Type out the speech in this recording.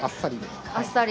あっさり。